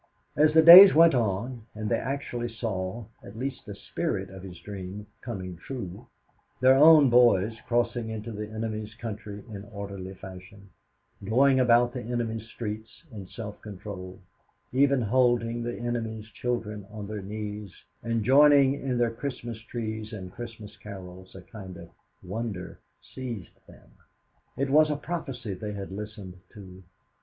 As the days went on and they actually saw at least the spirit of his dream coming true their own boys crossing into the enemy's country in orderly fashion, going about the enemy's streets in self control, even holding the enemy's children on their knees and joining in their Christmas trees and Christmas carols a kind of wonder seized them. It was a prophecy they had listened to.